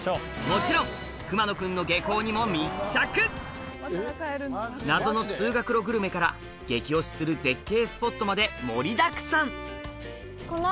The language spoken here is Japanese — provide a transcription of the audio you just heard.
もちろん熊野くんの謎の通学路グルメから激推しする絶景スポットまで盛りだくさん！